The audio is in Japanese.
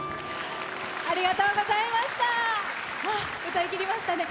歌いきりましたね。